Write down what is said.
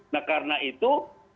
nah karena itu